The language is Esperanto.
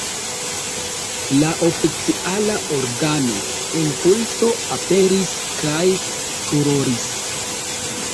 La oficiala organo "Impulso" aperis kaj "furoris".